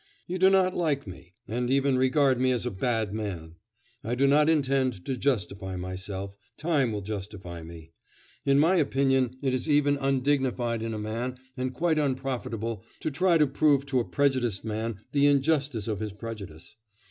You do not like me, and even regard me as a bad man. I do not intend to justify myself; time will justify me. In my opinion it is even undignified in a man and quite unprofitable to try to prove to a prejudiced man the injustice of his prejudice.